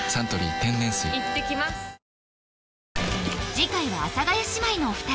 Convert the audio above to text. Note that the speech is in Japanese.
次回は阿佐ヶ谷姉妹のお二人